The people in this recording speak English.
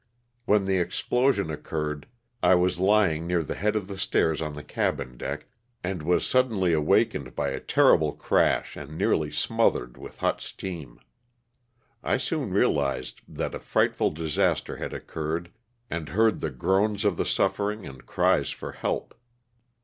When the explosion occurred I was lying near the head of the stairs on the cabin deck, and was suddenly awakened by a terrible crash and nearly smothered with hot steam. I soon realized that a frightful disaster had occurred and heard the groans of the suffering and cries for help.